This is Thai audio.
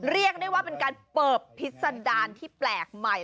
เรียกได้ว่าเป็นการเปิดพิษดารที่แปลกใหม่